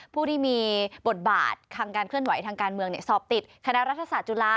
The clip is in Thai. ผู้ที่มีบทบาททางการเคลื่อนไหวทางการเมืองสอบติดคณะรัฐศาสตร์จุฬา